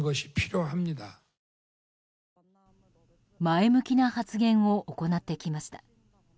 前向きな発言を行ってきました。